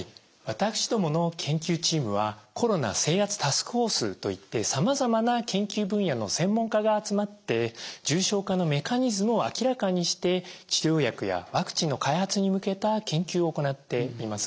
私どもの研究チームはコロナ制圧タスクフォースといってさまざまな研究分野の専門家が集まって重症化のメカニズムを明らかにして治療薬やワクチンの開発に向けた研究を行っています。